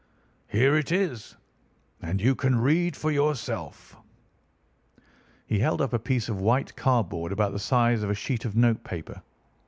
Here it is, and you can read for yourself." He held up a piece of white cardboard about the size of a sheet of note paper.